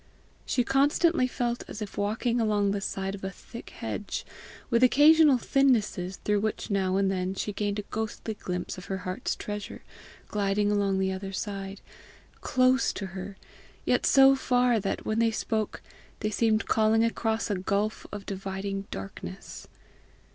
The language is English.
She constantly felt as if walking along the side of a thick hedge, with occasional thinnesses through which now and then she gained a ghostly glimpse of her heart's treasure gliding along the other side close to her, yet so far that, when they spoke, they seemed calling across a gulf of dividing darkness.